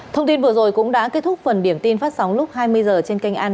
thông tin vừa rồi cũng đã kết thúc phần điểm tin phát sóng lúc hai mươi h trên kênh ant